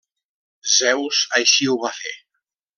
Zeus així ho va fer.